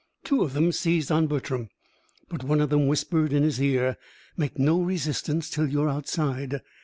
Two of them seized on Bertram, but one of them whispered in his ear, "Make no resistance till you are outside."